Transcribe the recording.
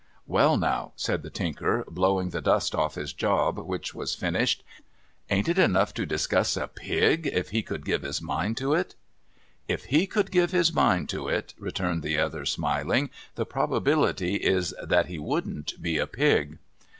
' Well now,' said the Tinker, blowing the dust off his job : which was finished. ' Ain't it enough to disgust a pig, if he could give his mind to it ?'' If he could give his mind to it,' returned the other, smiling, * the probability is that he wouldn't be a pig.'